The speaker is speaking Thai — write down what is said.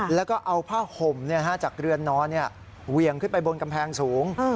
แล้วก็เอาผ้าห่มจากเรือนนอนเหวี่ยงขึ้นไปบนกำแพงสูง